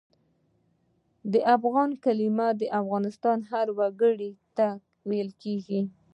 د افغان کلمه د افغانستان هر وګړي ته ویل کېږي.